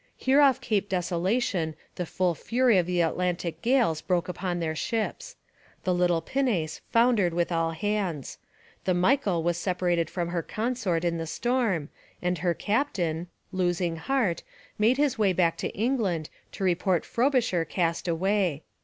Here off Cape Desolation the full fury of the Arctic gales broke upon their ships. The little pinnace foundered with all hands. The Michael was separated from her consort in the storm, and her captain, losing heart, made his way back to England to report Frobisher cast away.